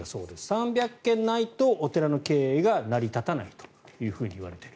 ３００軒ないとお寺の経営が成り立たないといわれている。